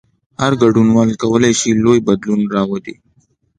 هر ګډونوال کولای شي لوی بدلون راولي.